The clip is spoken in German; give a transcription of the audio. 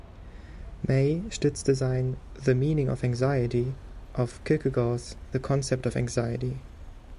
May stützte sein „The Meaning of Anxiety“ auf Kierkegaards „The Concept of Anxiety“.